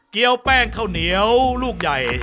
วแป้งข้าวเหนียวลูกใหญ่